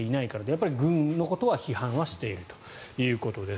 やっぱり軍のことは批判はしているということです。